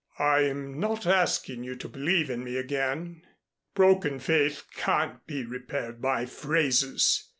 "I'm not asking you to believe in me again. Broken faith can't be repaired by phrases.